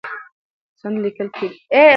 سند لیکل کېده.